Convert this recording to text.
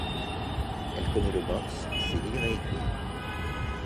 Elle connaît le morse, sait lire et écrire.